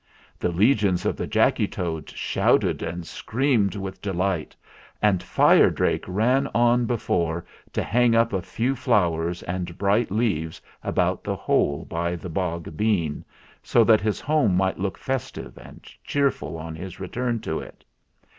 The legions of the Jacky Toads shouted and screamed with delight, and Fire Drake ran on 260 THE FLINT HEART before to hang up a few flowers and bright leaves about the hole by the bog bean, so that his home might look festive and cheerful on his return to it.